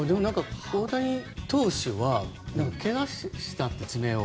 大谷投手は怪我したって、爪を。